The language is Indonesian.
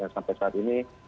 sampai saat ini